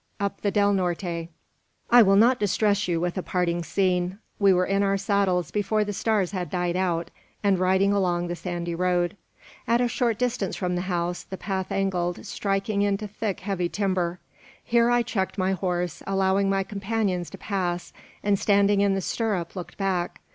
UP THE DEL NORTE. I will not distress you with a parting scene. We were in our saddles before the stars had died out, and riding along the sandy road. At a short distance from the house the path angled, striking into thick, heavy timber. Here I checked my horse, allowing my companions to pass, and, standing in the stirrup, looked back.